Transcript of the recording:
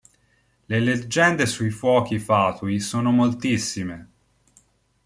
Le leggende sui fuochi fatui sono moltissime.